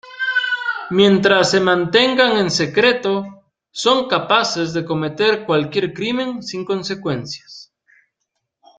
Mientras se mantengan en secreto, son capaces de cometer cualquier crimen sin consecuencias.